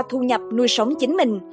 thu nhập nuôi sống chính mình